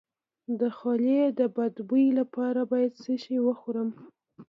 د خولې د بد بوی لپاره باید څه شی وخورم؟